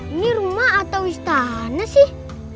ini rumah atau istana sih